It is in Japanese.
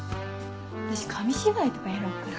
私紙芝居とかやろうかな。